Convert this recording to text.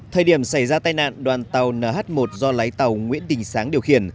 thời điểm xảy ra tai nạn đoàn tàu nh một do lái tàu nguyễn đình sáng điều khiển